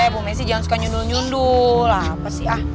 ya bu messi jangan suka nyundul nyunduh lah apa sih ah